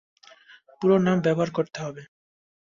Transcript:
পুরো নাম ব্যবহার করতে হবে।